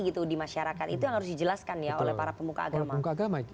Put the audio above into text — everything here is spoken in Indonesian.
itu yang harus dijelaskan ya oleh para pemuka agama